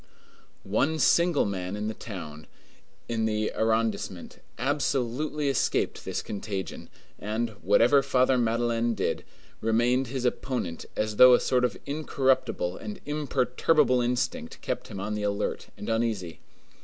One single man in the town, in the arrondissement, absolutely escaped this contagion, and, whatever Father Madeleine did, remained his opponent as though a sort of incorruptible and imperturbable instinct kept him on the alert and uneasy.